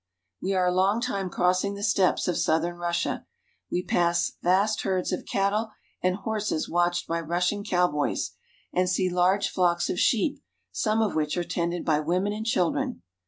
We are a long time crossing the steppes of southern Russia. We pass vast herds of cattle and horses watched by Russian cowboys, and see large flocks of sheep, some of which are tended by women and children.